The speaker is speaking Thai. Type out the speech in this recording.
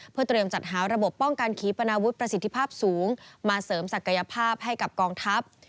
เพื่อเตรียมจัดหาระบบป้องกันขีปนาวุฒิประสิทธิภาพสูงมาเสริมศักยภาพให้กับกองทัพ